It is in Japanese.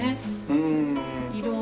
うん。